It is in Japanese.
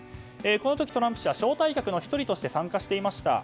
この時、トランプ氏は招待客の１人として参加していました。